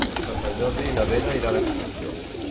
Per Sant Jordi na Vera irà d'excursió.